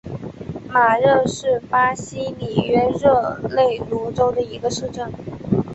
马热是巴西里约热内卢州的一个市镇。